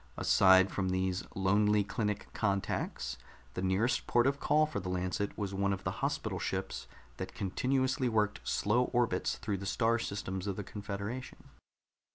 Aside from these lonely clinic contacts, the nearest port of call for the Lancet was one of the hospital ships that continuously worked slow orbits through the star systems of the confederation.